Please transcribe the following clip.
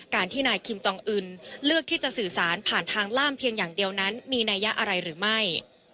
การที่นายคิมจองอื่นเลือกที่จะสื่อสารผ่านทางล่ามเพียงอย่างเดียวนั้นมีนัยยะอะไรหรือไม่